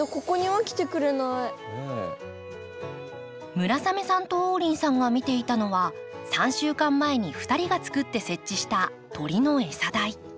村雨さんと王林さんが見ていたのは３週間前に２人が作って設置した鳥の餌台。